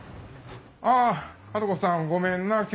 ああ治子さんごめんな。